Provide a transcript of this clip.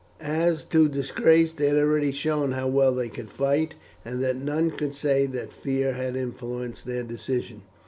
As to disgrace, they had already shown how well they could fight, and that none could say that fear had influenced their decision.